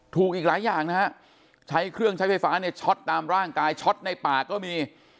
อีกหลายอย่างนะฮะใช้เครื่องใช้ไฟฟ้าเนี่ยช็อตตามร่างกายช็อตในปากก็มี